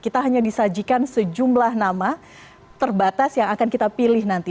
kita hanya disajikan sejumlah nama terbatas yang akan kita pilih nanti